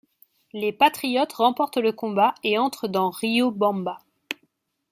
Les patriotes remportent le combat et entrent dans Riobamba.